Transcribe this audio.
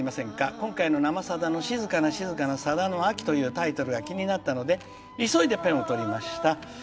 今回の生さだの「静かな静かなさだの秋」というタイトルが気になったので急いでペンを執りました。